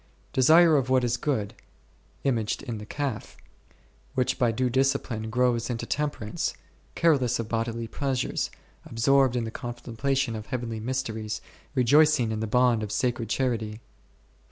Desire of what is good (imaged in the calf), which by due discipline grows into Temperance, careless of bodily pleasures, absorbed in the contemplation of heavenly mysteries, rejoicing in the bond of sacred charity ; 4.